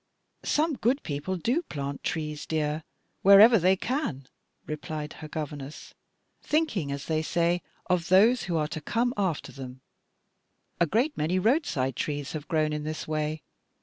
"Some good people do plant trees, dear, wherever they can," replied her governess, "thinking, as they say, of those who are to come after them; a great many roadside trees have grown in this way.